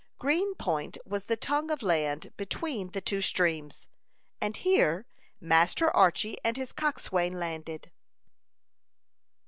Green Point was the tongue of land between the two streams, and here Master Archy and his coxswain landed.